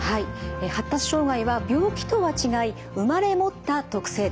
発達障害は病気とは違い生まれ持った特性です。